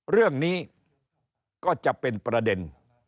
เรื่องนี้ก็จะเป็นประเด็น